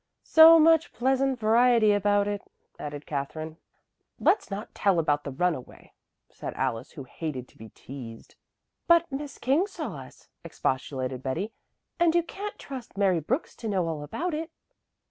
"So much pleasant variety about it," added Katherine. "Let's not tell about the runaway," said Alice who hated to be teased. "But Miss King saw us," expostulated Betty, "and you can trust Mary Brooks to know all about it."